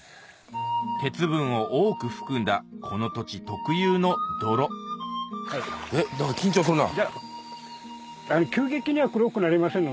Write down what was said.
鉄分を多く含んだこの土地特有の泥えっ何か緊張するな。